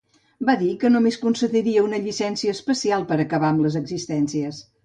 Va dir que només concediria una llicència especial per acabar amb les existències.